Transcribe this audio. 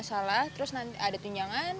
terus nanti ada tunjangan terus nanti ada tunjangan